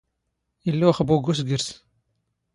ⵉⵍⵍⴰ ⵓⵅⴱⵓ ⴳ ⵓⵙⴳⵔⵙ